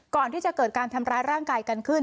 ก่อนที่จะเกิดการทำร้ายร่างกายกันขึ้น